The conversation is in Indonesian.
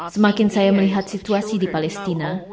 semakin saya melihat situasi di palestina